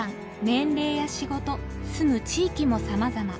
年齢や仕事住む地域もさまざま。